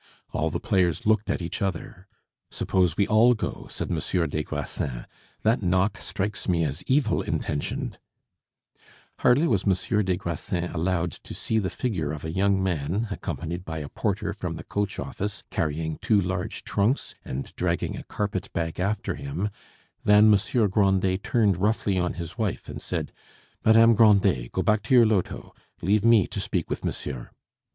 All the players looked at each other. "Suppose we all go?" said Monsieur des Grassins; "that knock strikes me as evil intentioned." Hardly was Monsieur des Grassins allowed to see the figure of a young man, accompanied by a porter from the coach office carrying two large trunks and dragging a carpet bag after him, than Monsieur Grandet turned roughly on his wife and said, "Madame Grandet, go back to your loto; leave me to speak with monsieur."